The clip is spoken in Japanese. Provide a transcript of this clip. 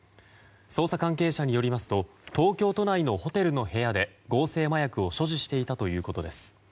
捜査関係者によりますと東京都内のホテルの部屋で合成麻薬を所持していたということです。